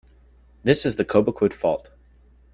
This is the Cobequid Fault.